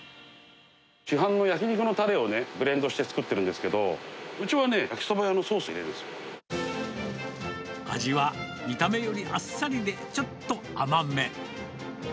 市販の焼き肉のたれをブレンドして作ってるんですけど、うちはね、焼きそば用のソースを味は見た目よりあっさりでちょっと甘め。